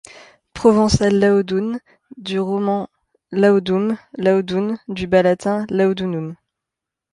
Provençal Laudun, du roman Laudum, Lodun, du bas latin Laudunum.